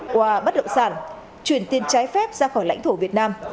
qua bất động sản chuyển tiền trái phép ra khỏi lãnh thổ việt nam